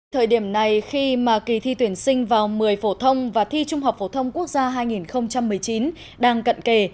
thời điểm này khi mà kỳ thi tuyển sinh vào một mươi phổ thông và thi trung học phổ thông quốc gia hai nghìn một mươi chín đang cận kề